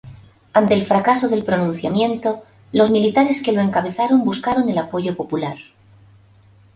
Ante el fracaso del pronunciamiento, los militares que lo encabezaron buscaron el apoyo popular.